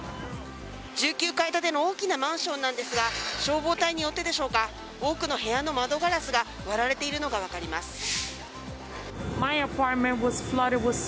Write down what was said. １９階建ての大きなマンションなんですが消防隊によってでしょうか多くの部屋の窓ガラスが割られているのが分かります。